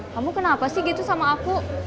kamu kenapa sih gitu sama aku